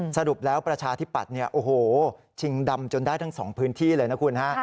สรุปแล้วประชาธิปัตย์เนี่ยโอ้โหชิงดำจนได้ทั้งสองพื้นที่เลยนะคุณฮะ